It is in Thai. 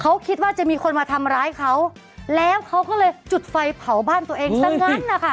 เขาคิดว่าจะมีคนมาทำร้ายเขาแล้วเขาก็เลยจุดไฟเผาบ้านตัวเองซะงั้นนะคะ